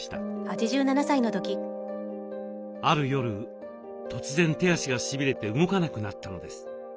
ある夜突然手足がしびれて動かなくなったのです。